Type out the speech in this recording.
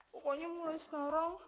pokoknya mulai sekarang